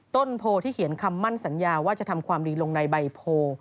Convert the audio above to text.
ต้นโพที่เขียนคำมั่นสัญญาว่าจะทำความดีลงในใบโพ